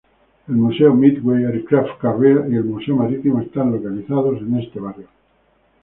El Museo Midway Aircraft Carrier y el Museo Marítimo están localizados en este barrio.